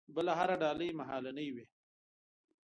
بله هره ډالۍ مهالنۍ وي.